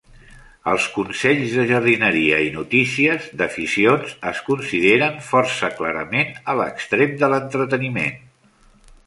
Els consells de jardineria i "notícies" d'aficions es consideren força clarament a l'extrem de l'entreteniment.